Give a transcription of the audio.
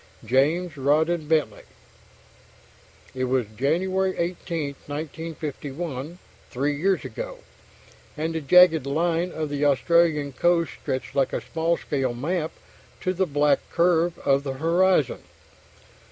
James Rawdon Bentley.... It was January 18, 1951, three years ago, and the jagged line of the Australian coast stretched like a small scale map to the black curve of the horizon.